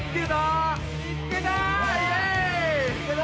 見つけた！